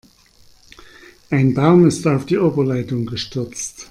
Ein Baum ist auf die Oberleitung gestürzt.